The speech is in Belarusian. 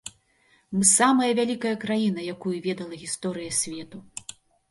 Мы самая вялікая краіна, якую ведала гісторыя свету.